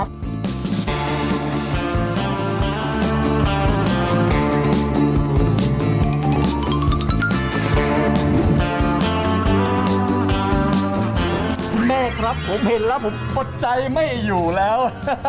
คุณแม่ครับผมเห็นละผมปลดใจไม่อยู่แล้ว